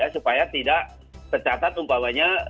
supaya tidak tercatat umpamanya